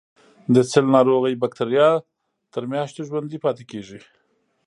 د سل ناروغۍ بکټریا تر میاشتو ژوندي پاتې کیږي.